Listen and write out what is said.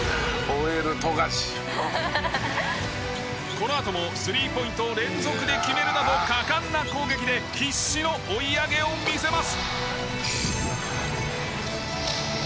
このあともスリーポイントを連続で決めるなど果敢な攻撃で必死の追い上げを見せます。